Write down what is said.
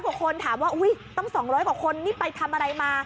กว่าคนถามว่าอุ๊ยตั้ง๒๐๐กว่าคนนี่ไปทำอะไรมา